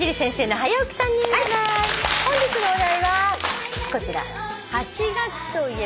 本日のお題はこちら。